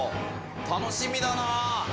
楽しみだな。